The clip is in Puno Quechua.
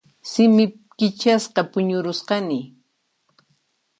Simi kichasqa puñurusqani.